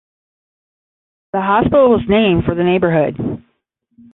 The hospital was named for the neighborhood.